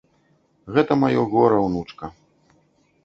Гэта маё гора, унучка.